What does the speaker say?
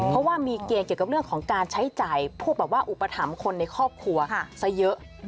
เพราะว่ามีเกณฑ์เกี่ยวกับเรื่องของการใช้จ่ายพวกแบบว่าอุปถัมภ์คนในครอบครัวซะเยอะ